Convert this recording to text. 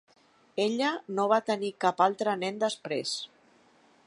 Ella no va tenir cap altre nen després.